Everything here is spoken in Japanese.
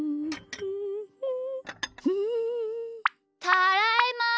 ただいま。